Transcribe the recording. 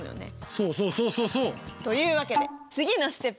そうそうそうそうそう！というわけで次のＳＴＥＰ。